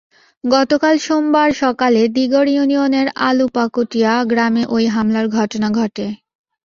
গতকাল সোমবার সকালে দিগড় ইউনিয়নের আলুপাকুটিয়া গ্রামে ওই হামলার ঘটনা ঘটে।